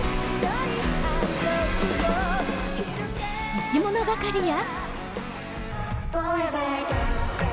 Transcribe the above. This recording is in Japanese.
いきものがかりや。